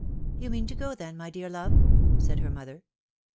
" You mean to go, then, my dear love ?" said her mother.